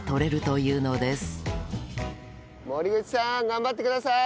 森口さん頑張ってください！